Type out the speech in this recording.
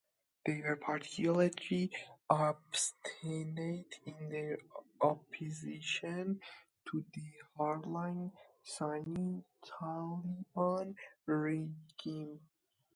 They were particularly obstinate in their opposition to the hard-line Sunni Taliban regime.